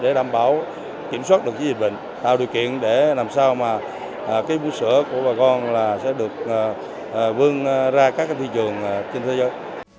để đảm bảo kiểm soát được dịch bệnh tạo điều kiện để làm sao vũ sữa của bà con sẽ được vươn ra các thị trường trên thế giới